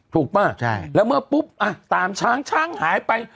ถูกป่ะแล้วเมื่อปุ๊บตามช้างช้างหายไป